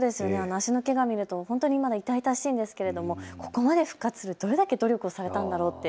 足のけがを見ると本当にまだ痛々しいですけれどもここまで復活するのにどれだけ努力されたんだろうって。